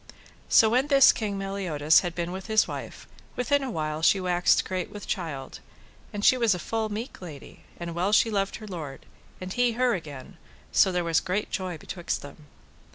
So when this King Meliodas had been with his wife, within a while she waxed great with child, and she was a full meek lady, and well she loved her lord, and he her again, so there was great joy betwixt them.